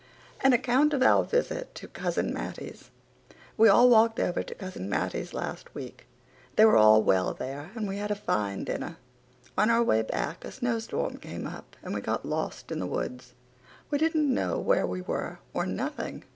AN ACCOUNT OF OUR VISIT TO COUSIN MATTIE'S We all walked over to Cousin Mattie's last week. They were all well there and we had a fine dinner. On our way back a snow storm came up and we got lost in the woods. We didn't know where we were or nothing.